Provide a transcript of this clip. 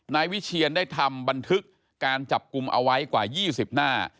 นายวิเชียนได้ทำบันทึกการจับกลุ่มเอาไว้กว่า๒๐หน้า